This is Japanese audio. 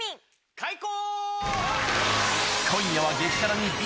開講！